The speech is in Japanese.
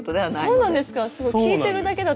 そうなんです。